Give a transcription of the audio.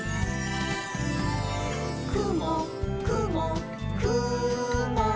「くもくもくも」